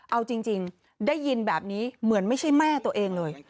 เอาจริงได้ยินแบบนี้เหมือนไม่ใช่แม่ตัวเองเลย